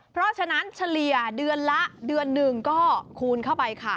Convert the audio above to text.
เพราะฉะนั้นเฉลี่ยเดือนละเดือนหนึ่งก็คูณเข้าไปค่ะ